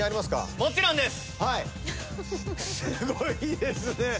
すごいですね。